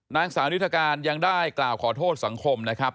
นางสาวนิทการยังได้กล่าวขอโทษสังคมนะครับ